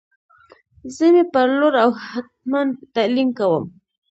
زه می پر لور او هتمن تعلیم کوم